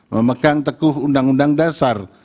memegang teguh undang undang dasar